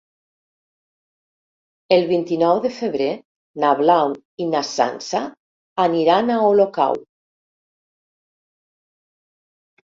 El vint-i-nou de febrer na Blau i na Sança aniran a Olocau.